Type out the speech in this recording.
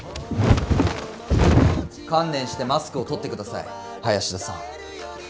観念してマスクを取って下さい林田さん。